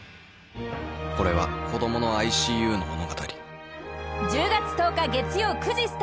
「これは子供のＩＣＵの物語」